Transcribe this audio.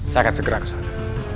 saya akan segera kesana